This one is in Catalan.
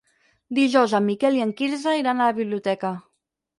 Dijous en Miquel i en Quirze iran a la biblioteca.